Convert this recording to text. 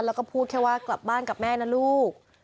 แล้วก็พูดแค่ว่ากลับบ้านกับแม่นะลูก